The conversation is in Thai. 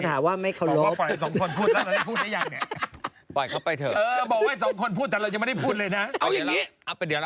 ทำไมฉันไม่ได้ยินตั้งหน้าตั้งตากักอย่างเดียวเลย